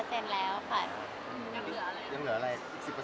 อืมยังเหลืออะไร